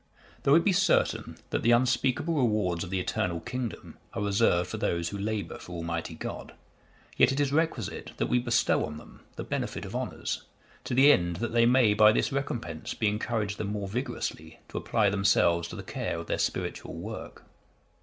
_ Though it be certain, that the unspeakable rewards of the eternal kingdom are reserved for those who labour for Almighty God, yet it is requisite that we bestow on them the benefit of honours, to the end that they may by this recompense be encouraged the more vigorously to apply themselves to the care of their spiritual work.